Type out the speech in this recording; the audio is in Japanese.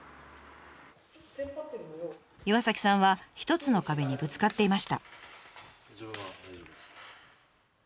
岩さんは一つの壁にぶつかっていました。